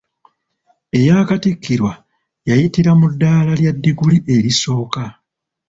Eyakattikirwa yayitira mu ddala lya ddiguli erisooka.